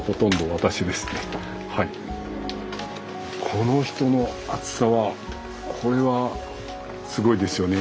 この人の厚さはこれはすごいですよね。